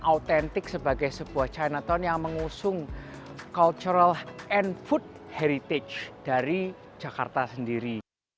autentik sebagai sebuah chinatown yang mengusung cultural and food heritage dari jakarta sendiri